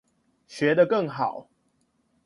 學得更好